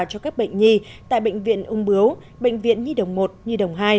cho các bệnh nhi tại bệnh viện ung bướu bệnh viện nhi đồng một nhi đồng hai